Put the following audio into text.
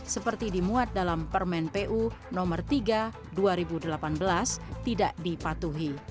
seperti dimuat dalam permen pu nomor tiga dua ribu delapan belas tidak dipatuhi